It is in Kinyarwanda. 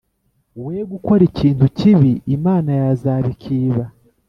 We gukora ikintu kibi imana yazabikiba